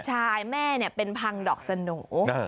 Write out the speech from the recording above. ใช่แม่เป็นพังดอกสโหน่